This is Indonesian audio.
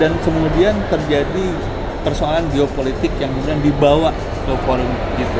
dan kemudian terjadi persoalan geopolitik yang dibawa ke forum g dua puluh